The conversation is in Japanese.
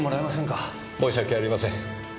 申し訳ありません。